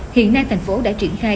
hiện nay thành phố đã triển khai